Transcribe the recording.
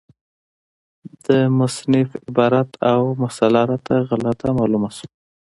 د مصنف عبارت او مسأله راته غلطه معلومه شوه،